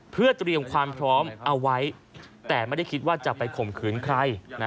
เพื่อเตรียมความพร้อมเอาไว้แต่ไม่ได้คิดว่าจะไปข่มขืนใคร